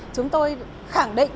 chúng tôi khẳng định